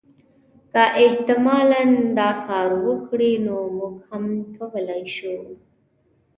که احتمالا دا کار وکړي نو موږ هم کولای شو.